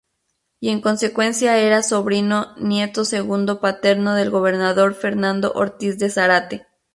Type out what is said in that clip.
Y en consecuencia era sobrino nieto segundo paterno del gobernador Fernando Ortiz de Zárate.